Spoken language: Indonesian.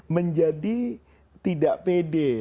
menjadi tidak pede